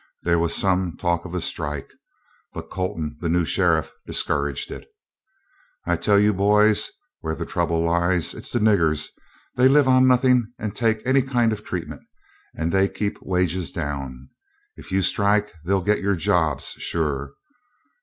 There was some talk of a strike, but Colton, the new sheriff, discouraged it. "I tell you, boys, where the trouble lies: it's the niggers. They live on nothing and take any kind of treatment, and they keep wages down. If you strike, they'll get your jobs, sure.